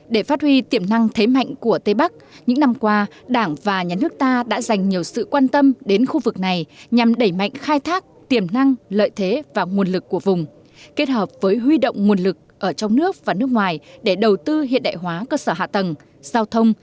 để phát huy tiềm năng thế mạnh của tây bắc những năm qua đảng và nhà nước ta đã dành nhiều sự quan tâm đến khu vực này nhằm đẩy mạnh khai thác tiềm năng lợi thế và nguồn lực của vùng kết hợp với huy động nguồn lực ở trong nước và nước ngoài để đầu tư hiện đại hóa cơ sở hạ tầng giao thông